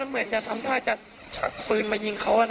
เหมือนจะทำท่าจะชักปืนมายิงเขา